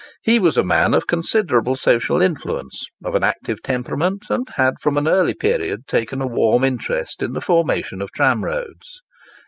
He was a man of considerable social influence, of an active temperament, and had from an early period taken a warm interest in the formation of tramroads.